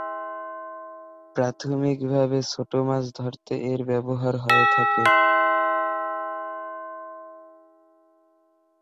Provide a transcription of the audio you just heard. প্রাথমিকভাবে ছোট মাছ ধরতে এর ব্যবহার হয়ে থাকে।